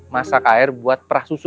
masak air buat perah susu